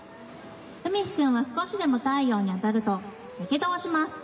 海陽くんは少しでも太陽に当たるとやけどをします。